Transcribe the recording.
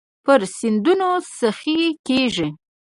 پر سیندونو سخي کیږې